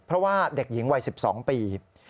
เพราะว่าเด็กหญิงวัย๑๒ปี